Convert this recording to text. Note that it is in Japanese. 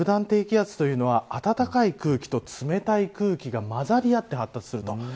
低気圧というのは暖かい空気と冷たい空気がまざり合って発達すると。